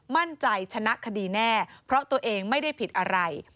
มั่นใจชนะคดีแน่เพราะตัวเองไม่ได้ผิดอะไร